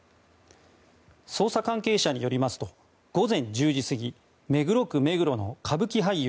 捜査関係者によりますと午前１０時過ぎ、目黒区目黒の歌舞伎俳優